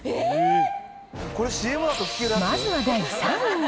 まずは第３位。